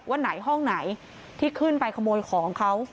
ว่าไหนห้องไหนที่ขึ้นไปขโมยของเขา